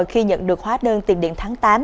khi nhận được hóa đơn tiền điện tháng tám